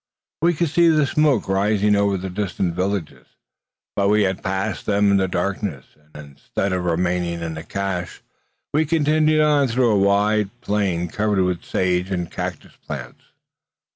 We could see the smoke rising over the distant villages; but we had passed them in the darkness, and instead of remaining in cache, we continued on through a wide plain covered with sage and cactus plants.